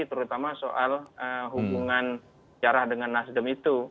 terutama soal hubungan jarak dengan nasdem itu